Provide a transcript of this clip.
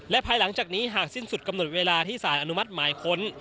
และภายหลังจากนี้หากสิ้นสุดกำหนดเวลาที่สารอนุมัติหมายค้น